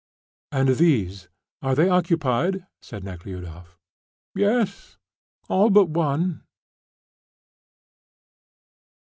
"And these? Are they occupied?" asked Nekhludoff. "Yes, all but one."